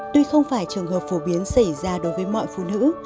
tuy không phải trường hợp phổ biến xảy ra đối với mọi phụ nữ